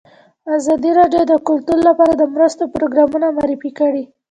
ازادي راډیو د کلتور لپاره د مرستو پروګرامونه معرفي کړي.